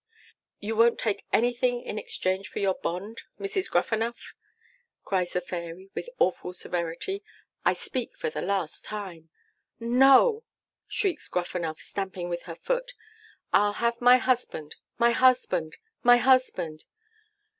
'You won't take anything in exchange for your bond, Mrs. Gruffanuff,' cries the Fairy, with awful severity. 'I speak for the last time.' 'No!' shrieks Gruffanuff, stamping with her foot. 'I'll have my husband, my husband, my husband!